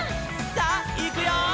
「さあいくよー！」